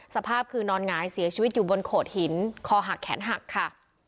สภาพคือนอนหงายเสียชีวิตอยู่บนโขดหินคอหักแขนหักค่ะ